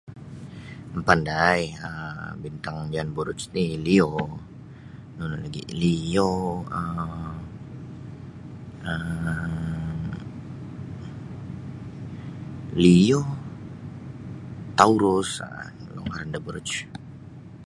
Mapandai um bintang jaan buruj ti iLeo nunu lagi Leo um Leo Taurus um kaan da bruj.